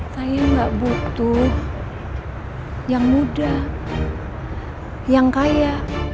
saya nggak butuh yang muda yang kaya